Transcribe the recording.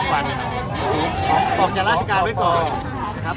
ใน๑๓กดีที่เกิดขึ้นเนี่ยใช้เวลาสอบกล้องไม่เกิน๓วัน